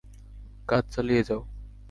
কাজ চালিয়ে যাও।